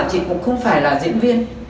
chị cũng không phải là diễn viên